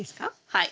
はい。